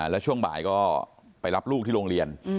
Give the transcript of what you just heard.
แล้วช่วงบ่ายก็ไปรับลูกที่โรงเรียน